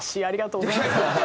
ありがとうございます。